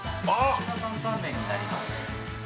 ◆こちら坦々麺になります。